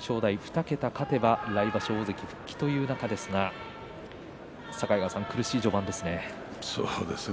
正代、２桁勝てば来場所、大関復帰という中ですが苦しい序盤ですね。